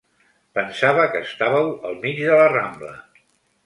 Pensava que estàveu al mig de la Rambla.